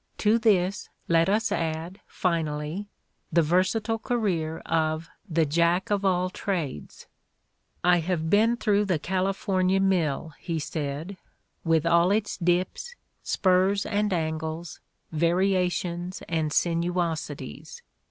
To this let us add, finally, the versatile career of the jack of all trades. "I have been through the Cali fornia mill, '' he said, '' with all its ' dips, spurs and an gles, variations and sinuosities.